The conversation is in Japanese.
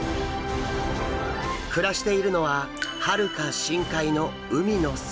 暮らしているのははるか深海の海の底。